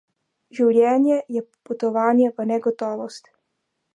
Življenje je potovanje v negotovost.